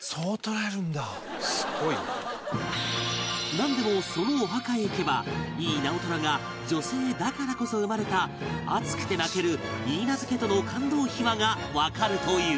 なんでもそのお墓へ行けば井伊直虎が女性だからこそ生まれた熱くて泣ける許嫁との感動秘話がわかるという